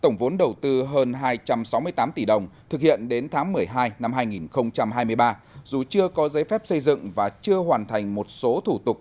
tổng vốn đầu tư hơn hai trăm sáu mươi tám tỷ đồng thực hiện đến tháng một mươi hai năm hai nghìn hai mươi ba dù chưa có giấy phép xây dựng và chưa hoàn thành một số thủ tục